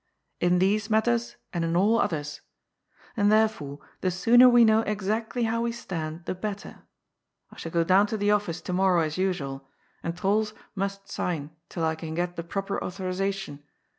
" In these matters, and in all others. And therefore the sooner we know exactly how we stand, the better. I shall go down to the office to morrow as usual, and Trols must sign till I can get the proper authorization.